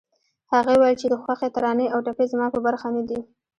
هغې وويل چې د خوښۍ ترانې او ټپې زما په برخه نه دي